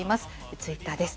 ツイッターです。